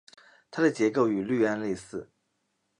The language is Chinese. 它的结构与氯胺类似。